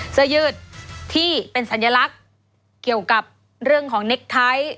เสื้อยืดที่เป็นสัญลักษณ์เกี่ยวกับเรื่องของเน็กไทท์